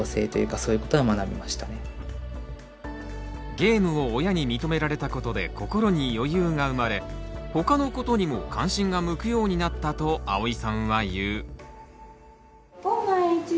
ゲームを親に認められたことで心に余裕が生まれ他のことにも関心が向くようになったとあおいさんは言う。